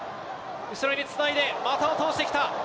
後ろにつないで、股を通してきた。